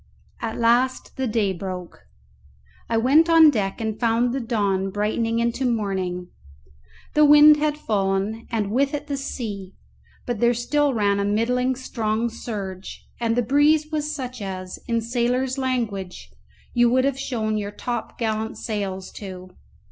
At last the day broke; I went on deck and found the dawn brightening into morning. The wind had fallen and with it the sea; but there still ran a middling strong surge, and the breeze was such as, in sailors' language, you would have shown your top gallant sails to.